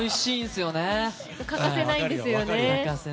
欠かせないんですよね。